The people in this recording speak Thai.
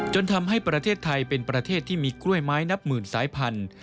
ทำให้ประเทศไทยเป็นประเทศที่มีกล้วยไม้นับหมื่นสายพันธุ